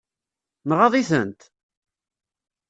Nɣaḍ-itent?